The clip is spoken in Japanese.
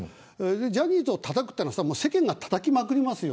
ジャニーズをたたくというのは世間がたたきまくりますよ。